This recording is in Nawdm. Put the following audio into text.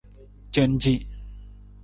Canci.